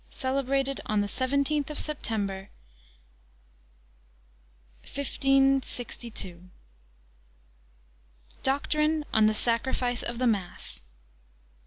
celebrated on the seventeenth day of September, MDLXII. DOCTRINE ON THE SACRIFICE OF THE MASS.